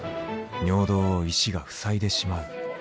尿道を石が塞いでしまう。